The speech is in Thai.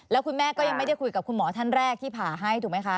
แล้วคุณแม่ก็ยังไม่ได้คุยกับคุณหมอท่านแรกที่ผ่าให้ถูกไหมคะ